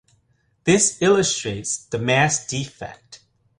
This illustrates the mass defect.